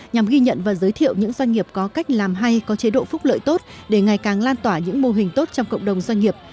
nhằm ghi nhận và giới thiệu những doanh nghiệp có cách làm hay có chế độ phúc lợi tốt để ngày càng lan tỏa những mô hình tốt trong cộng đồng doanh nghiệp